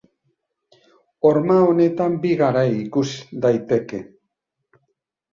Horma honetan bi garai ikus daiteke.